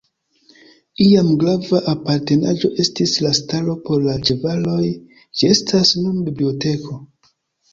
Iam grava apartenaĵo estis la stalo por la ĉevaloj, ĝi estas nun biblioteko.